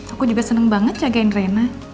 aku juga seneng banget jagain reina